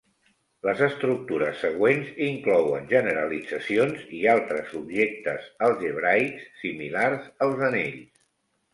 Les estructures següents inclouen generalitzacions i altres objectes algebraics similars als anells.